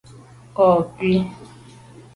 Nka’ kù.